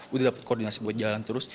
udah dapat koordinasi buat jalan terus